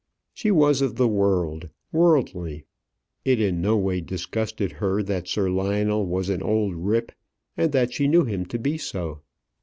She was of the world, worldly. It in no way disgusted her that Sir Lionel was an old rip, and that she knew him to be so.